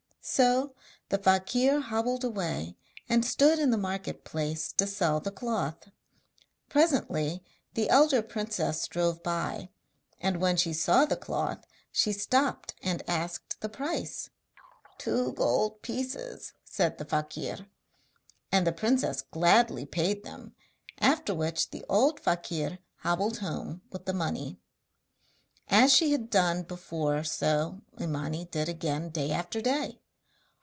So the fakir hobbled away, and stood in the market place to sell the cloth. Presently the elder princess drove by, and when she saw the cloth she stopped and asked the price. 'Two gold pieces,' said the fakir. And the princess gladly paid them, after which the old fakir hobbled home with the money. As she had done before so Imani did again day after day.